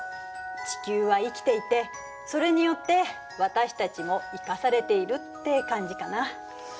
地球は生きていてそれによって私たちも生かされているって感じかな。